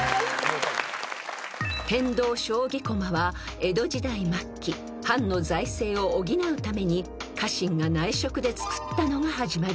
［江戸時代末期藩の財政を補うために家臣が内職で作ったのが始まり］